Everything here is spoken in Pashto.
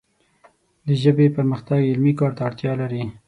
د ژبې پرمختګ علمي کار ته اړتیا لري